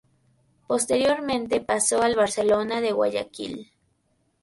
Posteriormente pasó al Barcelona de Guayaquil.